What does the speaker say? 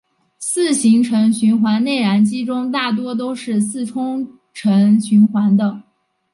四行程循环内燃机中大多都是四冲程循环的。